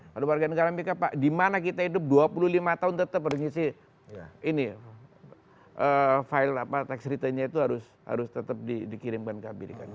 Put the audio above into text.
kalau warga negara amerika pak di mana kita hidup dua puluh lima tahun tetap berisi ini file apa tax retailnya itu harus tetap dikirimkan ke amerika